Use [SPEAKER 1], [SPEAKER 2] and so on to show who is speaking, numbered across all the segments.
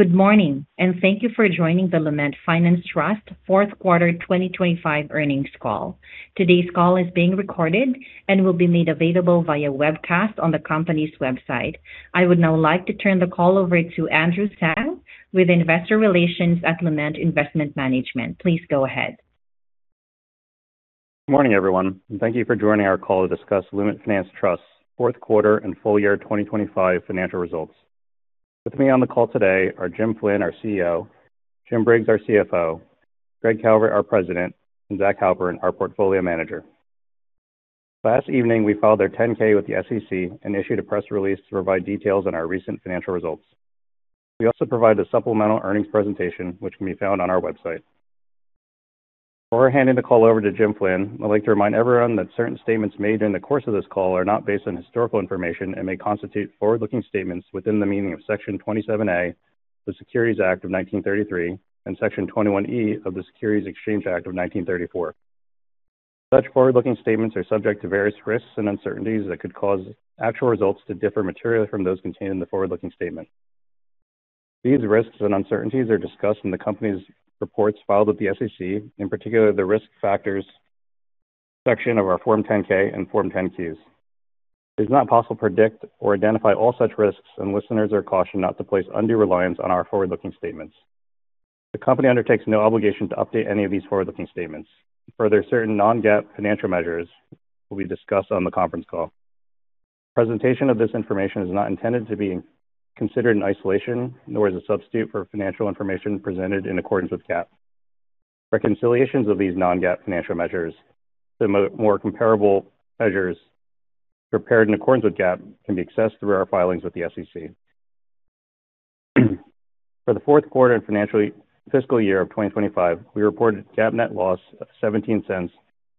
[SPEAKER 1] Good morning, and thank you for joining the Lument Finance Trust fourth quarter 2025 earnings call. Today's call is being recorded and will be made available via webcast on the company's website. I would now like to turn the call over to Andrew Tsang with Investor Relations at Lument Investment Management. Please go ahead.
[SPEAKER 2] Morning, everyone, and thank you for joining our call to discuss Lument Finance Trust fourth quarter and full year 2025 financial results. With me on the call today are Jim Flynn, our CEO, Jim Briggs, our CFO, Greg Calvert, our President, and Zach Halpern, our Portfolio Manager. Last evening, we filed our 10-K with the SEC and issued a press release to provide details on our recent financial results. We also provided a supplemental earnings presentation which can be found on our website. Before handing the call over to Jim Flynn, I'd like to remind everyone that certain statements made during the course of this call are not based on historical information and may constitute forward-looking statements within the meaning of Section 27A of the Securities Act of 1933 and Section 21E of the Securities Exchange Act of 1934. Such forward-looking statements are subject to various risks and uncertainties that could cause actual results to differ materially from those contained in the forward-looking statement. These risks and uncertainties are discussed in the company's reports filed with the SEC, and in particular, the Risk Factors section of our Form 10-K and Forms 10-Q. It is not possible to predict or identify all such risks, and listeners are cautioned not to place undue reliance on our forward-looking statements. The company undertakes no obligation to update any of these forward-looking statements. Further, certain non-GAAP financial measures will be discussed on the conference call. Presentation of this information is not intended to be considered in isolation, nor as a substitute for financial information presented in accordance with GAAP. Reconciliations of these non-GAAP financial measures to more comparable measures prepared in accordance with GAAP can be accessed through our filings with the SEC. For the fourth quarter and fiscal year of 2025, we reported GAAP net loss of $0.17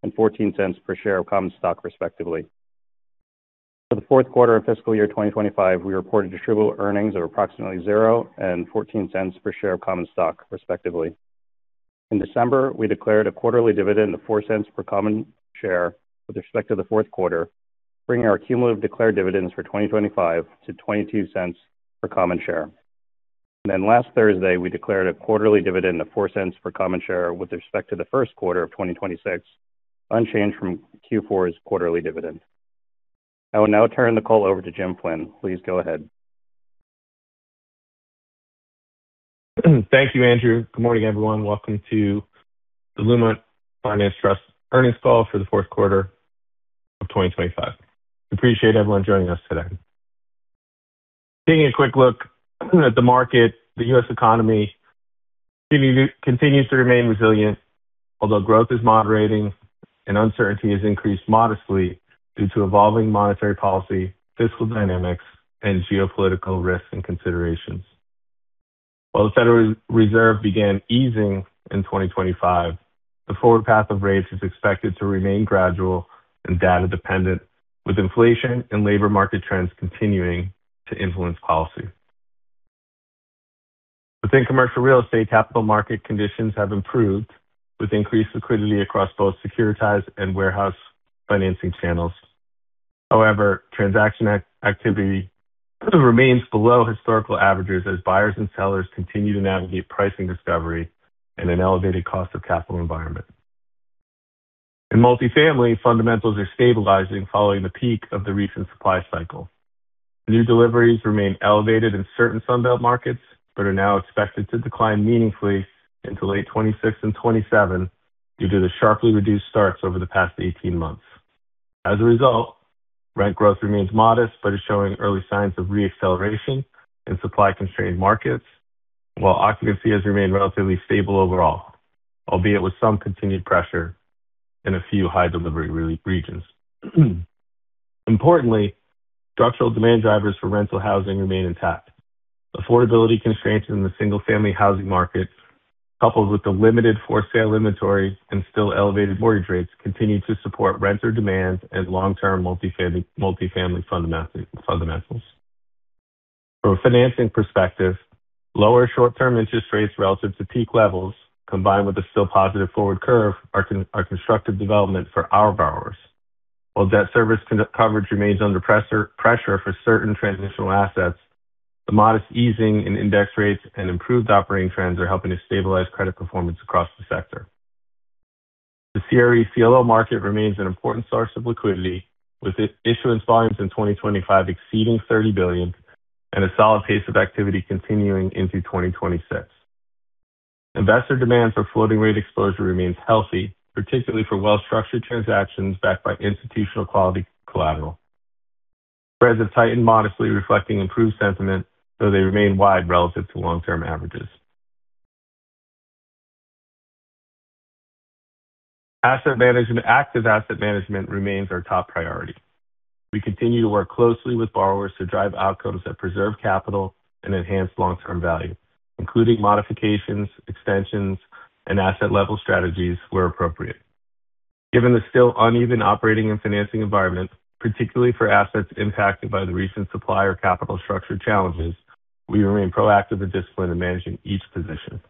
[SPEAKER 2] and $0.14 per share of common stock, respectively. For the fourth quarter of fiscal year 2025, we reported Distributable Earnings of approximately $0.00 and $0.14 per share of common stock, respectively. In December, we declared a quarterly dividend of $0.04 per common share with respect to the fourth quarter, bringing our cumulative declared dividends for 2025 to $0.22 per common share. Last Thursday, we declared a quarterly dividend of $0.04 per common share with respect to the first quarter of 2026, unchanged from Q4's quarterly dividend. I will now turn the call over to James Flynn. Please go ahead.
[SPEAKER 3] Thank you, Andrew. Good morning, everyone. Welcome to the Lument Finance Trust earnings call for the fourth quarter of 2025. Appreciate everyone joining us today. Taking a quick look at the market, the U.S. economy continues to remain resilient, although growth is moderating and uncertainty has increased modestly due to evolving monetary policy, fiscal dynamics, and geopolitical risks and considerations. While the Federal Reserve began easing in 2025, the forward path of rates is expected to remain gradual and data-dependent, with inflation and labor market trends continuing to influence policy. Within commercial real estate, capital market conditions have improved with increased liquidity across both securitized and warehouse financing channels. However, transaction activity remains below historical averages as buyers and sellers continue to navigate pricing discovery and an elevated cost of capital environment. In multifamily, fundamentals are stabilizing following the peak of the recent supply cycle. New deliveries remain elevated in certain Sun Belt markets but are now expected to decline meaningfully into late 2026 and 2027 due to the sharply reduced starts over the past 18 months. As a result, rent growth remains modest but is showing early signs of re-acceleration in supply-constrained markets, while occupancy has remained relatively stable overall, albeit with some continued pressure in a few high-delivery regions. Importantly, structural demand drivers for rental housing remain intact. Affordability constraints in the single-family housing market, coupled with the limited for-sale inventory and still elevated mortgage rates, continue to support renter demand and long-term multifamily fundamentals. From a financing perspective, lower short-term interest rates relative to peak levels combined with a still positive forward curve are constructive development for our borrowers. While debt service coverage remains under pressure for certain transitional assets, the modest easing in index rates and improved operating trends are helping to stabilize credit performance across the sector. The CRE CLO market remains an important source of liquidity, with issuance volumes in 2025 exceeding $30 billion and a solid pace of activity continuing into 2026. Investor demand for floating rate exposure remains healthy, particularly for well-structured transactions backed by institutional-quality collateral. Spreads have tightened modestly reflecting improved sentiment, though they remain wide relative to long-term averages. Asset management. Active asset management remains our top priority. We continue to work closely with borrowers to drive outcomes that preserve capital and enhance long-term value, including modifications, extensions, and asset-level strategies where appropriate. Given the still uneven operating and financing environment, particularly for assets impacted by the recent supply or capital structure challenges, we remain proactive and disciplined in managing each position.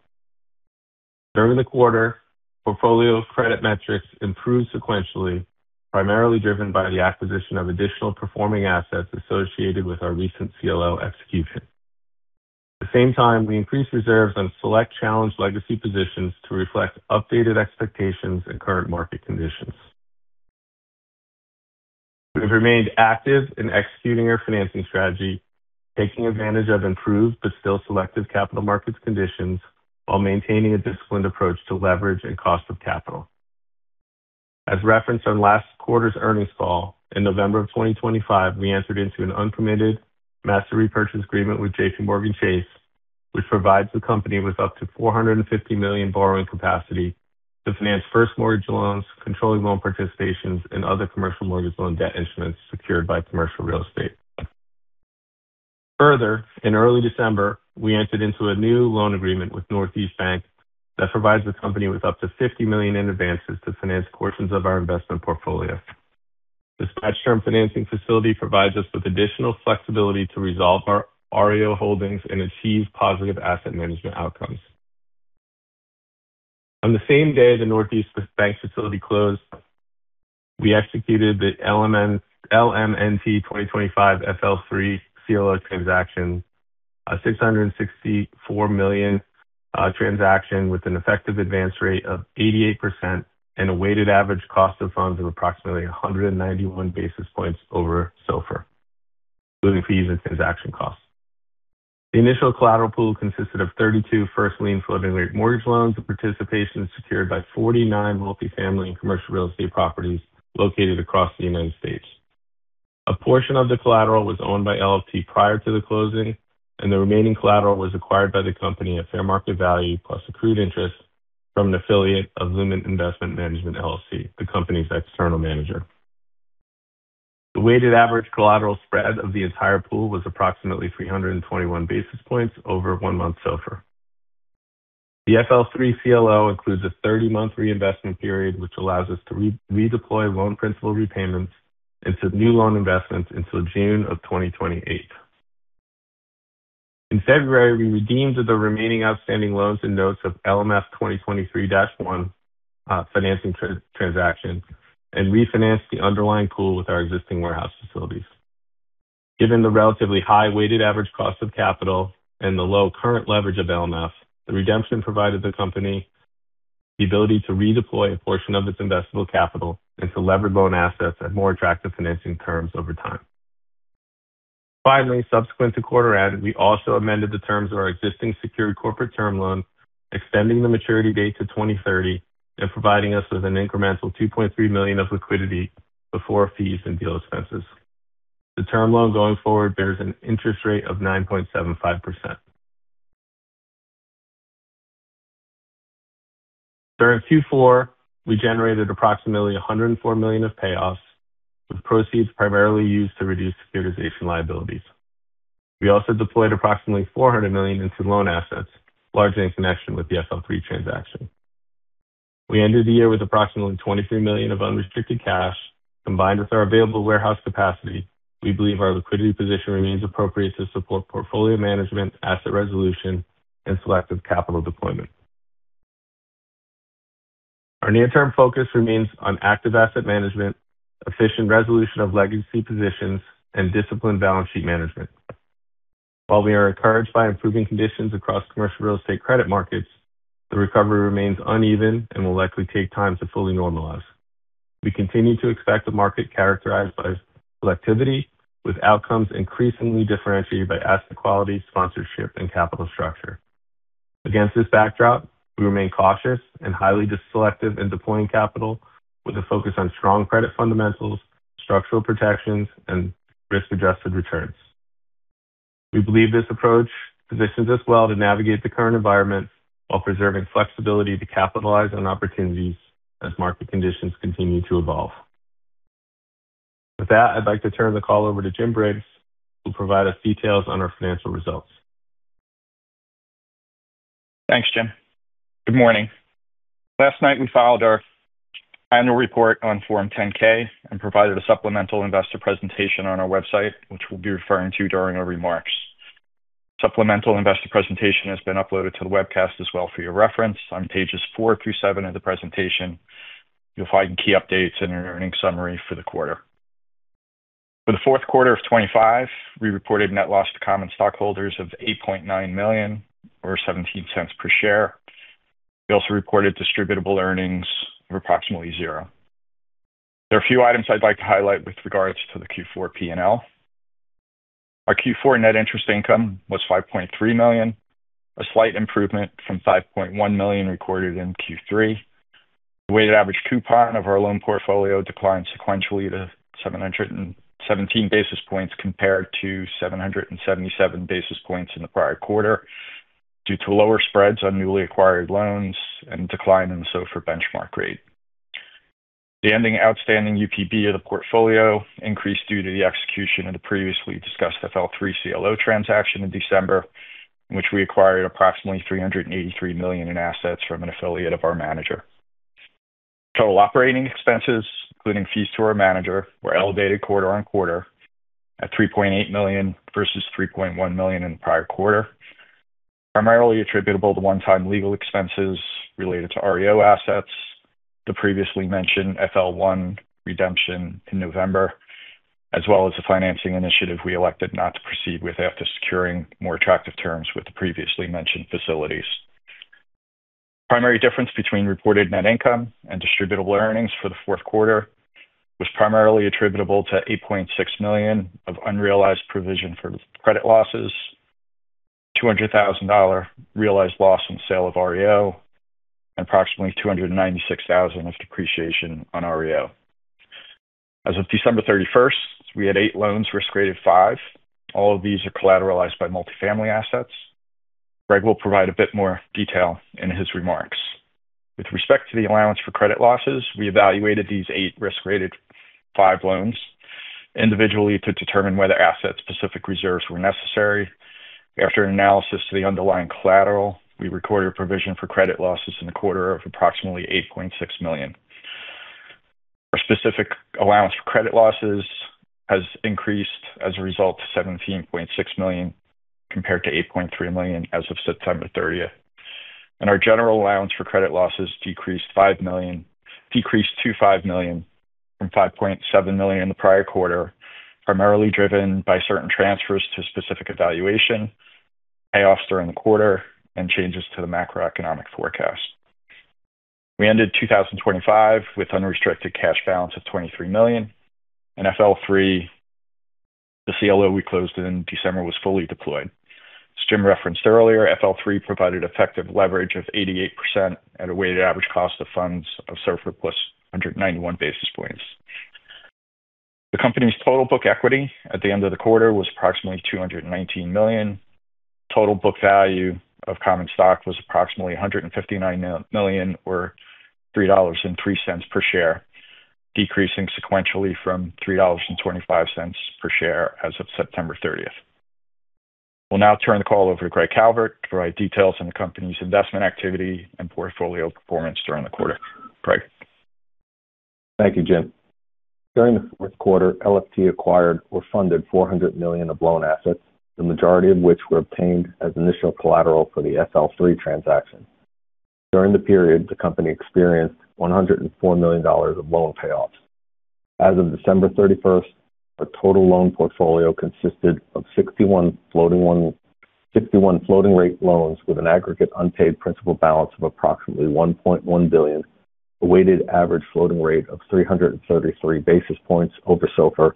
[SPEAKER 3] During the quarter, portfolio credit metrics improved sequentially, primarily driven by the acquisition of additional performing assets associated with our recent CLO execution. At the same time, we increased reserves on select challenged legacy positions to reflect updated expectations and current market conditions. We have remained active in executing our financing strategy, taking advantage of improved but still selective capital markets conditions while maintaining a disciplined approach to leverage and cost of capital. As referenced on last quarter's earnings call, in November 2025, we entered into an uncommitted master repurchase agreement with JPMorgan Chase, which provides the company with up to $450 million borrowing capacity to finance first mortgage loans, controlled loan participations, and other commercial mortgage loan debt instruments secured by commercial real estate. Further, in early December, we entered into a new loan agreement with Northeast Bank that provides the company with up to $50 million in advances to finance portions of our investment portfolio. This medium-term financing facility provides us with additional flexibility to resolve our REO holdings and achieve positive asset management outcomes. On the same day the Northeast Bank facility closed, we executed the LMNT 2025-FL3 CLO transaction, a $664 million transaction with an effective advance rate of 88% and a weighted average cost of funds of approximately 191 basis points over SOFR, including fees and transaction costs. The initial collateral pool consisted of 32 first lien floating rate mortgage loans and participations secured by 49 multifamily and commercial real estate properties located across the United States. A portion of the collateral was owned by LFT prior to the closing, and the remaining collateral was acquired by the company at fair market value plus accrued interest from an affiliate of Lument Investment Management, LLC, the company's external manager. The weighted average collateral spread of the entire pool was approximately 321 basis points over one-month SOFR. The FL3 CLO includes a 30-month reinvestment period, which allows us to redeploy loan principal repayments into new loan investments until June 2028. In February, we redeemed the remaining outstanding loans and notes of LMF 2023-1 financing transaction and refinanced the underlying pool with our existing warehouse facilities. Given the relatively high weighted average cost of capital and the low current leverage of LMF, the redemption provided the company the ability to redeploy a portion of its investable capital into levered loan assets at more attractive financing terms over time. Finally, subsequent to quarter end, we also amended the terms of our existing secured corporate term loan, extending the maturity date to 2030 and providing us with an incremental $2.3 million of liquidity before fees and deal expenses. The term loan going forward bears an interest rate of 9.75%. During Q4, we generated approximately $104 million of payoffs, with proceeds primarily used to reduce securitization liabilities. We also deployed approximately $400 million into loan assets, largely in connection with the FL3 transaction. We ended the year with approximately $23 million of unrestricted cash. Combined with our available warehouse capacity, we believe our liquidity position remains appropriate to support portfolio management, asset resolution, and selective capital deployment. Our near-term focus remains on active asset management, efficient resolution of legacy positions, and disciplined balance sheet management. While we are encouraged by improving conditions across commercial real estate credit markets, the recovery remains uneven and will likely take time to fully normalize. We continue to expect a market characterized by selectivity, with outcomes increasingly differentiated by asset quality, sponsorship, and capital structure. Against this backdrop, we remain cautious and highly selective in deploying capital with a focus on strong credit fundamentals, structural protections, and risk-adjusted returns. We believe this approach positions us well to navigate the current environment while preserving flexibility to capitalize on opportunities as market conditions continue to evolve. With that, I'd like to turn the call over to Jim Briggs, who'll provide us details on our financial results.
[SPEAKER 4] Thanks, Jim. Good morning. Last night, we filed our annual report on Form 10-K and provided a supplemental investor presentation on our website, which we'll be referring to during our remarks. Supplemental investor presentation has been uploaded to the webcast as well for your reference. On pages four through seven of the presentation, you'll find key updates and an earnings summary for the quarter. For the fourth quarter of 2025, we reported net loss to common stockholders of $8.9 million, or $0.17 per share. We also reported Distributable Earnings of approximately $0. There are a few items I'd like to highlight with regards to the Q4 P&L. Our Q4 net interest income was $5.3 million, a slight improvement from $5.1 million recorded in Q3. The weighted average coupon of our loan portfolio declined sequentially to 717 basis points compared to 777 basis points in the prior quarter, due to lower spreads on newly acquired loans and decline in the SOFR benchmark rate. The ending outstanding UPB of the portfolio increased due to the execution of the previously discussed LMNT 2025-FL3 CLO transaction in December, in which we acquired approximately $383 million in assets from an affiliate of our manager. Total operating expenses, including fees to our manager, were elevated quarter-over-quarter at $3.8 million versus $3.1 million in the prior quarter, primarily attributable to one-time legal expenses related to REO assets, the previously mentioned LFT 2021-FL1 redemption in November, as well as the financing initiative we elected not to proceed with after securing more attractive terms with the previously mentioned facilities. Primary difference between reported net income and Distributable Earnings for the fourth quarter was primarily attributable to $8.6 million of unrealized provision for credit losses, $200,000 realized loss on sale of REO, and approximately $296,000 of depreciation on REO. As of December 31, 2025 we had eight loans risk rated 5. All of these are collateralized by multi-family assets. Greg will provide a bit more detail in his remarks. With respect to the allowance for credit losses, we evaluated these eight risk-rated 5 loans individually to determine whether asset-specific reserves were necessary. After an analysis of the underlying collateral, we recorded a provision for credit losses in the quarter of approximately $8.6 million. Our specific allowance for credit losses has increased as a result to $17.6 million compared to $8.3 million as of September 30, 2025. Our general allowance for credit losses decreased to $5 million from $5.7 million in the prior quarter, primarily driven by certain transfers to specific evaluation, payoffs during the quarter, and changes to the macroeconomic forecast. We ended 2025 with unrestricted cash balance of $23 million and LMNT 2025-FL3, the CLO we closed in December, was fully deployed. As Jim referenced earlier, LMNT 2025-FL3 provided effective leverage of 88% at a weighted average cost of funds of SOFR+ 191 basis points. The company's total book equity at the end of the quarter was approximately $219 million. Total book value of common stock was approximately $159 million, or $3.03 per share, decreasing sequentially from $3.25 per share as of September 30, 2025. We'll now turn the call over to Greg Calvert to provide details on the company's investment activity and portfolio performance during the quarter. Greg.
[SPEAKER 5] Thank you, Jim. During the fourth quarter, LFT acquired or funded $400 million of loan assets, the majority of which were obtained as initial collateral for the LMNT 2025-FL3 transaction. During the period, the company experienced $104 million of loan payoffs. As of December 31st, 2025 our total loan portfolio consisted of 61 floating rate loans with an aggregate unpaid principal balance of approximately $1.1 billion, a weighted average floating rate of 333 basis points over SOFR,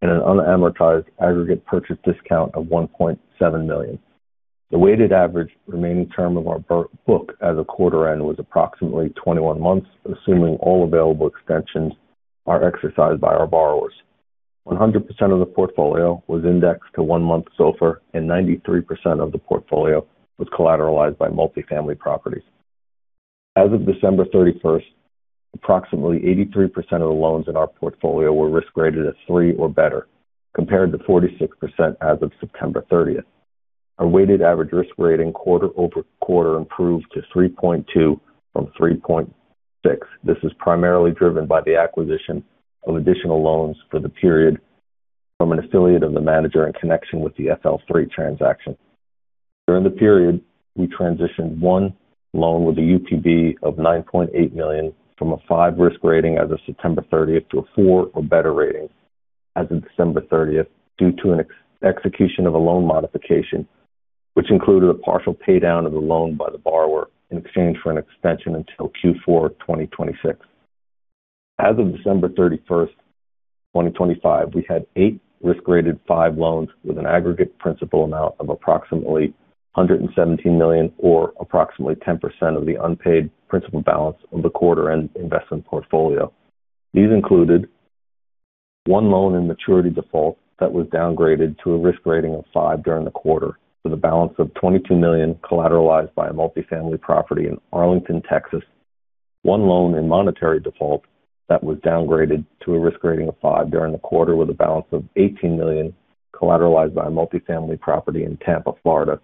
[SPEAKER 5] and an unamortized aggregate purchase discount of $1.7 million. The weighted average remaining term of our book as of quarter end was approximately 21 months, assuming all available extensions are exercised by our borrowers. 100% of the portfolio was indexed to one-month SOFR, and 93% of the portfolio was collateralized by multifamily properties. As of December 31st, 2025 approximately 83% of the loans in our portfolio were risk graded as 3 or better, compared to 46% as of September 30. Our weighted average risk rating quarter-over-quarter improved to 3.2 from 3.6. This is primarily driven by the acquisition of additional loans for the period from an affiliate of the manager in connection with the LMNT 2025-FL3 transaction. During the period, we transitioned one loan with a UPB of $9.8 million from a five risk rating as of September 30th, 2025 to a 4 or better rating as of December 31st, 2025 due to an execution of a loan modification, which included a partial pay down of the loan by the borrower in exchange for an extension until Q4 2026. As of December 31st, 2025, we had eight risk graded five loans with an aggregate principal amount of approximately $117 million, or approximately 10% of the unpaid principal balance of the quarter end investment portfolio. These included one loan in maturity default that was downgraded to a risk rating of 5 during the quarter with a balance of $22 million collateralized by a multifamily property in Arlington, Texas. One loan in monetary default that was downgraded to a risk rating of 5 during the quarter with a balance of $18 million collateralized by a multifamily property in Tampa, Florida.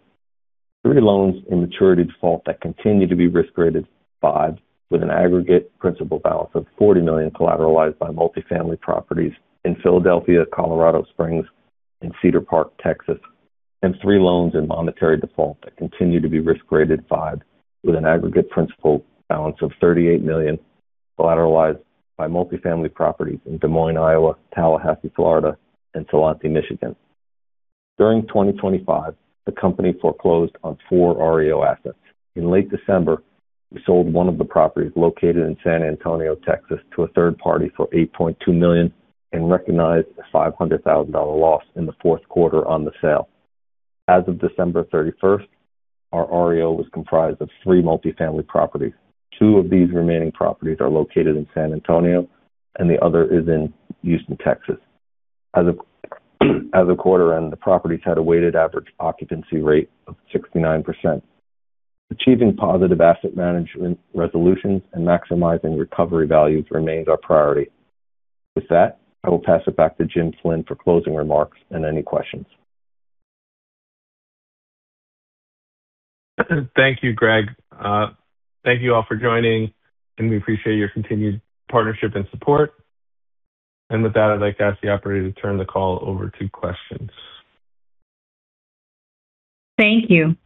[SPEAKER 5] Three loans in maturity default that continue to be risk rated 5 with an aggregate principal balance of $40 million collateralized by multifamily properties in Philadelphia, Colorado Springs, and Cedar Park, Texas. Three loans in monetary default that continue to be risk rated 5 with an aggregate principal balance of $38 million collateralized by multifamily properties in Des Moines, Iowa, Tallahassee, Florida, and Ypsilanti, Michigan. During 2025, the company foreclosed on four REO assets. In late December, we sold one of the properties located in San Antonio, Texas, to a third party for $8.2 million and recognized a $500,000 loss in the fourth quarter on the sale. As of December 31st, 2025 our REO was comprised of three multifamily properties. Two of these remaining properties are located in San Antonio and the other is in Houston, Texas. As of quarter end, the properties had a weighted average occupancy rate of 69%. Achieving positive asset management resolutions and maximizing recovery values remains our priority. With that, I will pass it back to James Flynn for closing remarks and any questions.
[SPEAKER 3] Thank you, Greg. Thank you all for joining, and we appreciate your continued partnership and support. With that, I'd like to ask the operator to turn the call over to questions.
[SPEAKER 1] Thank you.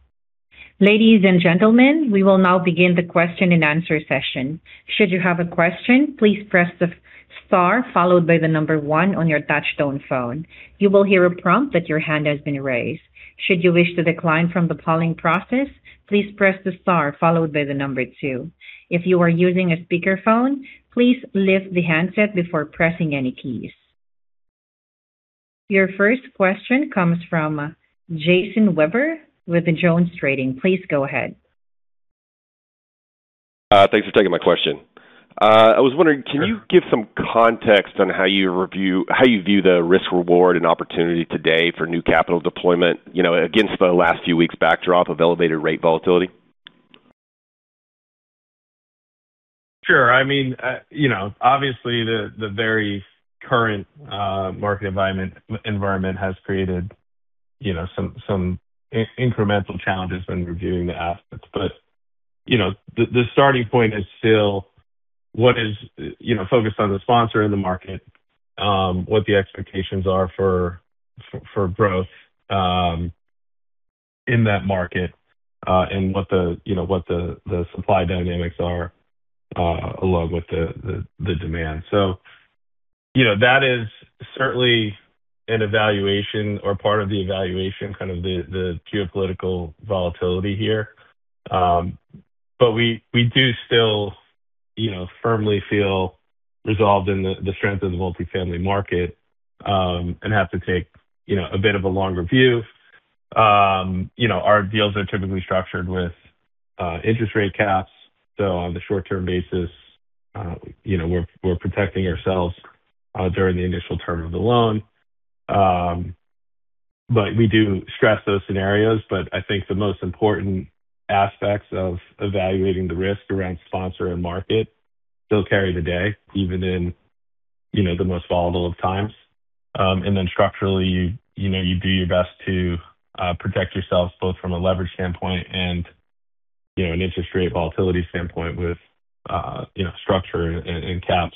[SPEAKER 1] Ladies and gentlemen, we will now begin the question-and-answer session. Should you have a question, please press the star followed by the number one on your touchtone phone. You will hear a prompt that your hand has been raised. Should you wish to decline from the polling process, please press the star followed by the number two. If you are using a speakerphone, please lift the handset before pressing any keys. Your first question comes from Jason Weaver with JonesTrading. Please go ahead.
[SPEAKER 6] Thanks for taking my question. I was wondering, can you give some context on how you view the risk, reward, and opportunity today for new capital deployment, you know, against the last few weeks backdrop of elevated rate volatility?
[SPEAKER 3] Sure. I mean, you know, obviously the very current market environment has created, you know, some incremental challenges when reviewing the assets. You know, the starting point is still what is, you know, focused on the sponsor in the market, what the expectations are for growth in that market, and what the supply dynamics are, along with the demand. You know, that is certainly an evaluation or part of the evaluation, kind of the geopolitical volatility here. We do still, you know, firmly feel resolved in the strength of the multifamily market, and have to take, you know, a bit of a longer view. You know, our deals are typically structured with interest rate caps, so on the short-term basis, you know, we're protecting ourselves during the initial term of the loan. We do stress those scenarios. I think the most important aspects of evaluating the risk around sponsor and market still carry the day, even in you know, the most volatile of times. Structurally, you know, you do your best to protect yourself both from a leverage standpoint and you know, an interest rate volatility standpoint with you know, structure and caps.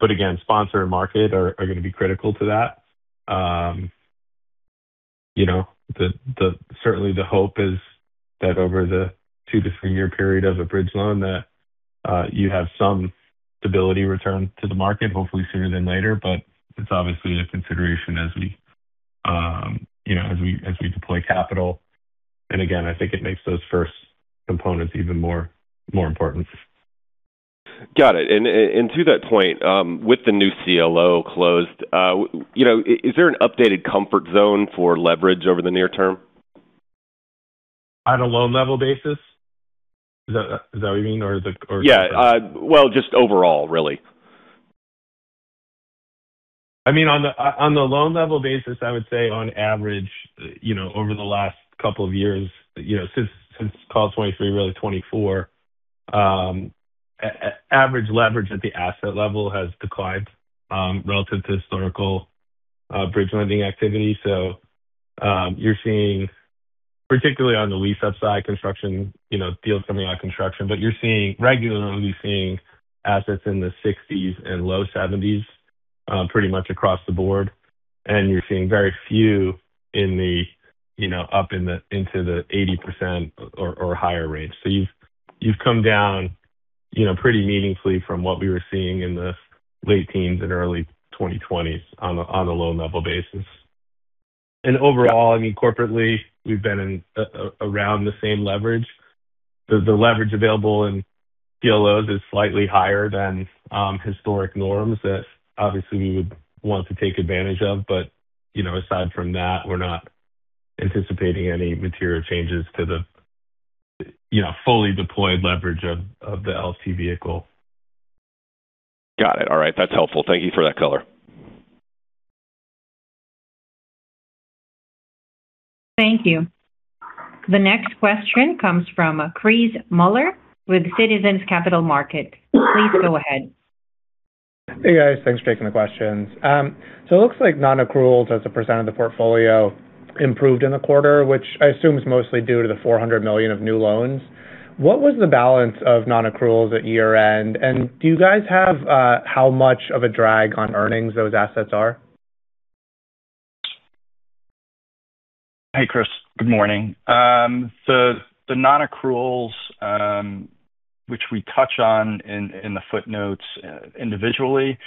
[SPEAKER 3] Again, sponsor and market are gonna be critical to that. You know, certainly the hope is that over the two-three-year period of a bridge loan, that you have some stability returns to the market, hopefully sooner rather than later. It's obviously a consideration as we, you know, as we deploy capital. Again, I think it makes those first components even more important.
[SPEAKER 6] Got it. To that point, with the new CLO closed, you know, is there an updated comfort zone for leverage over the near term?
[SPEAKER 3] On a loan level basis? Is that what you mean?
[SPEAKER 6] Yeah. Well, just overall really.
[SPEAKER 3] I mean, on the loan level basis, I would say on average, you know, over the last couple of years, you know, since call it 2023, really 2024, average leverage at the asset level has declined, relative to historical bridge lending activity. You're seeing particularly on the lease-up side construction, you know, deals coming out of construction, but you're regularly seeing assets in the 60s% and low 70s%, pretty much across the board. You're seeing very few into the 80% or higher range. You've come down, you know, pretty meaningfully from what we were seeing in the late 2010s and early 2020s on a loan level basis. Overall, I mean, corporately, we've been around the same leverage. The leverage available in CLOs is slightly higher than historic norms that obviously we would want to take advantage of. You know, aside from that, we're not anticipating any material changes to the fully deployed leverage of the LFT vehicle.
[SPEAKER 6] Got it. All right. That's helpful. Thank you for that color.
[SPEAKER 1] Thank you. The next question comes from Chris Muller with Citizens JMP. Please go ahead.
[SPEAKER 7] Hey, guys. Thanks for taking the questions. It looks like non-accruals as a percent of the portfolio improved in the quarter, which I assume is mostly due to the $400 million of new loans. What was the balance of non-accruals at year-end? Do you guys have how much of a drag on earnings those assets are?
[SPEAKER 8] Hey, Chris. Good morning. The non-accruals, which we touch on in the footnotes individually.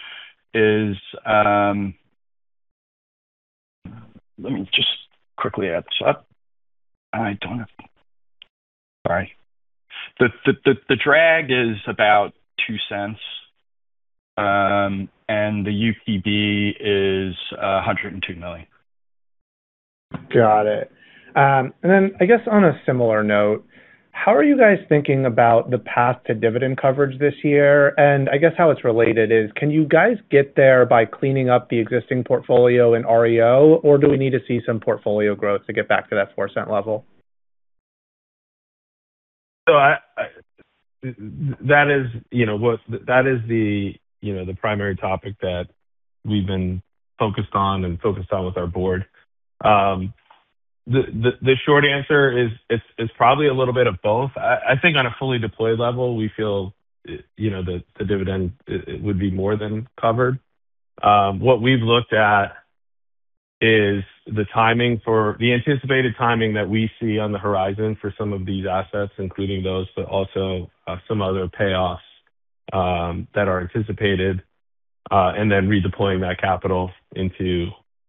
[SPEAKER 8] The drag is about $0.02, and the UPB is $102 million.
[SPEAKER 7] Got it. I guess on a similar note, how are you guys thinking about the path to dividend coverage this year? I guess how it's related is, can you guys get there by cleaning up the existing portfolio in REO, or do we need to see some portfolio growth to get back to that 4-cent level?
[SPEAKER 3] That is the primary topic that we've been focused on with our board. The short answer is it's probably a little bit of both. I think on a fully deployed level, we feel, you know, the dividend it would be more than covered. What we've looked at is the timing for the anticipated timing that we see on the horizon for some of these assets, including those, but also some other payoffs that are anticipated, and then redeploying that capital into,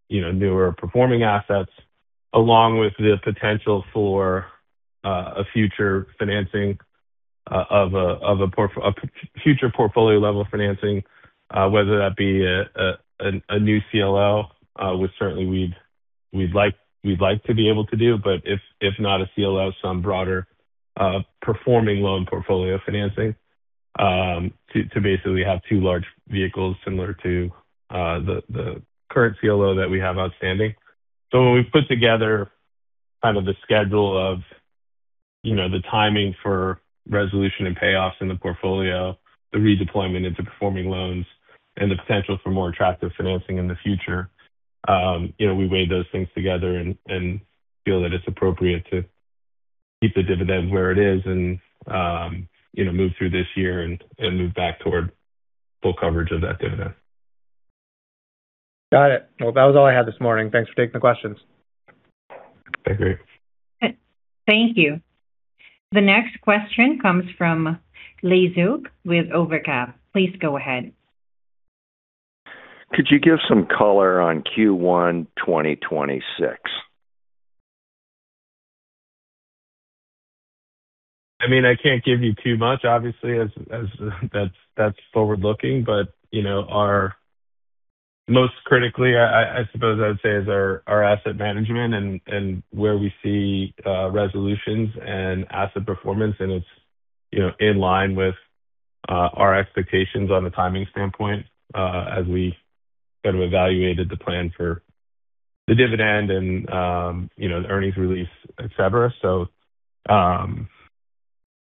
[SPEAKER 3] you know, newer performing assets along with the potential for a future financing of a future portfolio level financing, whether that be a new CLO, which certainly we'd like to be able to do. But if not a CLO, some broader performing loan portfolio financing, to basically have two large vehicles similar to the current CLO that we have outstanding. When we've put together kind of the schedule of, you know, the timing for resolution and payoffs in the portfolio, the redeployment into performing loans, and the potential for more attractive financing in the future, you know, we weigh those things together and feel that it's appropriate to keep the dividend where it is and, you know, move through this year and move back toward full coverage of that dividend.
[SPEAKER 7] Got it. Well, that was all I had this morning. Thanks for taking the questions.
[SPEAKER 3] Thank you.
[SPEAKER 1] Thank you. The next question comes from [Lee Zuk with Overcap]. Please go ahead.
[SPEAKER 9] Could you give some color on Q1 2026?
[SPEAKER 3] I mean, I can't give you too much, obviously, as that's forward-looking. You know, our most critical, I suppose I would say is our asset management and where we see resolutions and asset performance, and it's, you know, in line with our expectations on the timing standpoint, as we kind of evaluated the plan for the dividend and, you know, the earnings release, et cetera.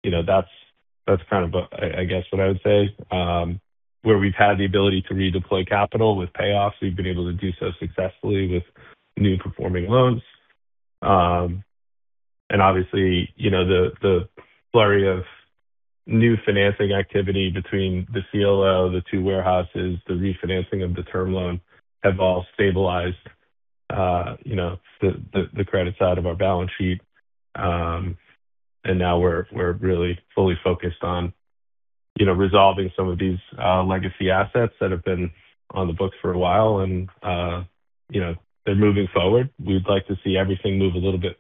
[SPEAKER 3] You know, that's kind of, I guess what I would say. Where we've had the ability to redeploy capital with payoffs, we've been able to do so successfully with new performing loans. Obviously, you know, the flurry of new financing activity between the CLO, the two warehouses, the refinancing of the term loan have all stabilized, you know, the credit side of our balance sheet. Now we're really fully focused on, you know, resolving some of these legacy assets that have been on the books for a while and, you know, they're moving forward. We'd like to see everything move a little bit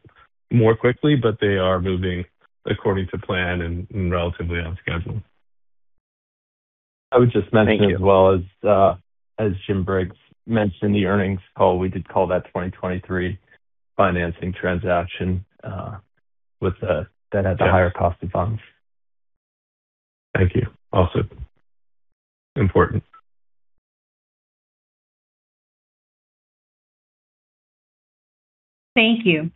[SPEAKER 3] more quickly, but they are moving according to plan and relatively on schedule.
[SPEAKER 8] I would just mention as well as James Briggs mentioned on the earnings call, we did close that 2023 financing transaction that had the higher cost of funds.
[SPEAKER 3] Thank you. Also important.
[SPEAKER 1] Thank you.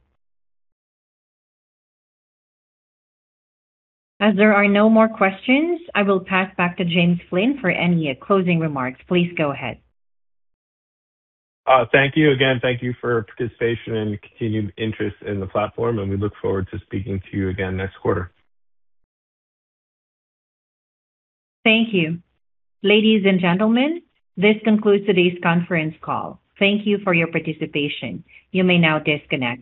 [SPEAKER 1] As there are no more questions, I will pass back to James Flynn for any closing remarks. Please go ahead.
[SPEAKER 3] Thank you again. Thank you for your participation and continued interest in the platform, and we look forward to speaking to you again next quarter.
[SPEAKER 1] Thank you. Ladies and gentlemen, this concludes today's conference call. Thank you for your participation. You may now disconnect.